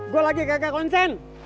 gua lagi kagak konsen